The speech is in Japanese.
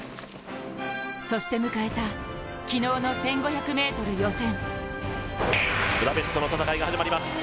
そして迎えた昨日の１５００ｍ予選。